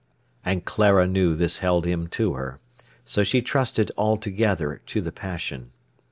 And Clara knew this held him to her, so she trusted altogether to the passion.